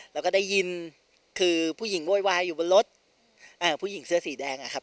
แล้วก็ได้ยินคือผู้หญิงโวยวายอยู่บนรถผู้หญิงเสื้อสีแดงอะครับ